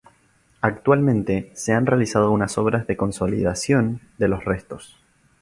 Actualmente se han realizado unas obras de consolidación de los restos.